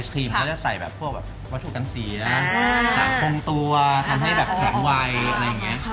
ไอศครีมเขาจะใส่แบบพวกวัตถุกันสีนะสารคงตัวทำให้แบบแข็งไว